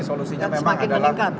solusinya memang adalah